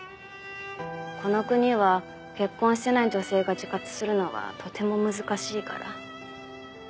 この国は結婚してない女性が自活するのはとても難しいから。